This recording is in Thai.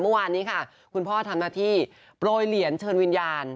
เมื่อวานนี้ค่ะคุณพ่อทำหน้าที่โปรยเหรียญเชิญวิญญาณ